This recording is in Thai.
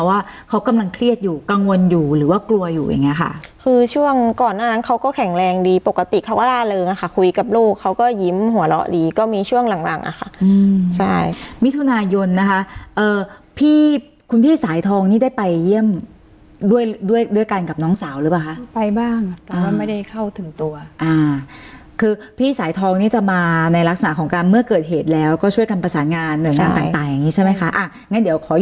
ว่าเขากำลังเครียดอยู่กังวลอยู่หรือว่ากลัวอยู่อย่างเงี้ยค่ะคือช่วงก่อนหน้านั้นเขาก็แข็งแรงดีปกติเขาก็ลาเริงอ่ะค่ะคุยกับลูกเขาก็ยิ้มหัวเราะหลีก็มีช่วงหลังหลังอ่ะค่ะอืมใช่มิทุนายนนะคะเอ่อพี่คุณพี่สายทองนี่ได้ไปเยี่ยมด้วยด้วยด้วยกันกับน้องสาวหรือเปล่าคะไปบ้างอ่ะแต่ว่าไม่ได้